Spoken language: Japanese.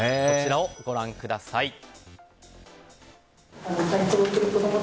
こちらをご覧ください。